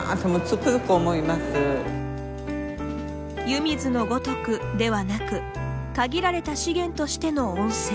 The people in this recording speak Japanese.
「湯水のごとく」ではなく限られた資源としての温泉。